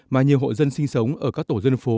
mà nhiều hộ dân sinh sống ở các tổ dân phố